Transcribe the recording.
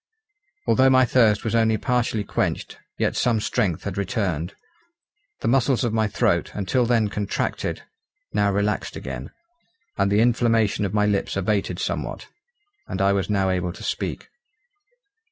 Although my thirst was only partially quenched, yet some strength had returned. The muscles of my throat, until then contracted, now relaxed again; and the inflammation of my lips abated somewhat; and I was now able to speak.